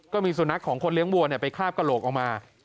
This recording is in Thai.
ก็มีสุนัขของคนเลี้ยงวัวไปคาบกระโหลกออกมา